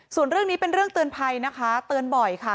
ส่วนเรื่องนี้เป็นเรื่องเตือนภัยนะคะเตือนบ่อยค่ะ